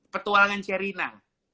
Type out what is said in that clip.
petualangan ceri inang